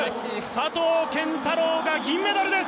佐藤拳太郎が銀メダルです。